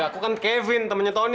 aku kan kevin temennya tony